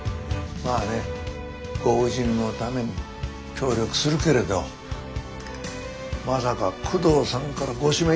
まあねご婦人のために協力するけれどまさか久遠さんからご指名いただくとはね。